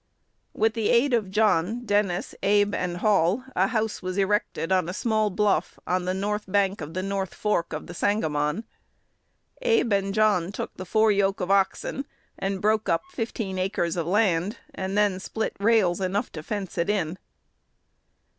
With the aid of John, Dennis, Abe, and Hall, a house was erected on a small bluff, on the north bank of the north fork of the Sangamon. Abe and John took the four yoke of oxen and "broke up" fifteen acres of land, and then split rails enough to fence it in.